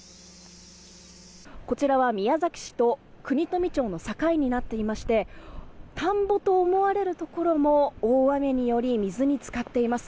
こちらは宮崎市と国富町の境になっていまして田んぼと思われるところも大雨により水に浸かっています。